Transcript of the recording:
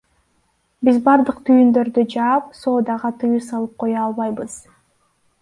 Биз бардык түйүндөрдү жаап, соодага тыюу салып кое албайбыз.